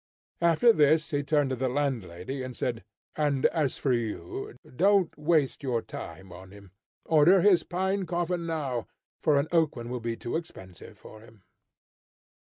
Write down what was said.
After this he turned to the landlady, and said, "And as for you, don't waste your time on him. Order his pine coffin now, for an oak one will be too expensive for him."